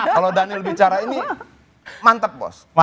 kalau daniel bicara ini mantep bos